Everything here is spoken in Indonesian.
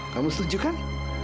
kamu setuju kan